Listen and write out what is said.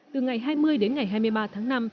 từ ngày hai mươi đến ngày hai mươi ba tháng năm